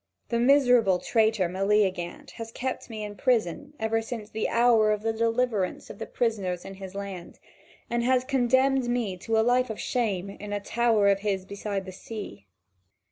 The miserable traitor Meleagant has kept me in prison ever since the hour of the deliverance of the prisoners in his land, and has condemned me to a life of shame in a tower of his beside the sea.